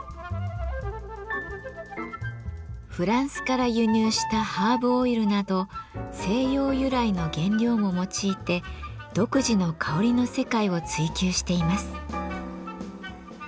フランスから輸入したハーブオイルなど西洋由来の原料も用いて独自の香りの世界を追求しています。